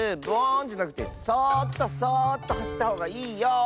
ブオーンじゃなくてそっとそっとはしったほうがいいよ。